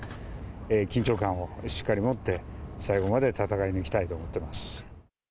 緊張感をしっかり持って、最後まで戦い抜きたいと思っています。